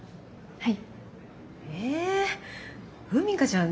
はい。